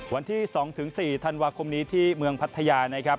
วันที่๒๔ธันวาคมนี้ที่เมืองพัทยานะครับ